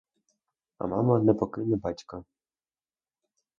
А мама не покине батька.